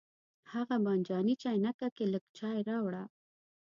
هغه بانجاني چاینکه کې لږ چای راوړه.